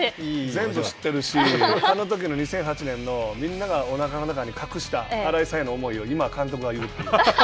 全部知ってるしあのときの２００８年の、みんながおなかの中に隠した新井さんへの思いを今、監督が言うっていう。